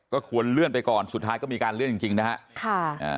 ก็ควรเลื่อนไปก่อนสุดท้ายก็มีการเลื่อนจริงนะฮะ